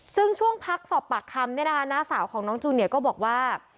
ซึ่งช่วงพักสอบปากคำเนี่ยนะคะน้าสาวของน้องจูเนียก็บอกว่า